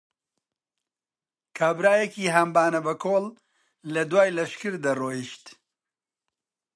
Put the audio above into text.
کابرایەکی هەنبانە بە کۆڵ لە دوای لەشکر دەڕۆیشت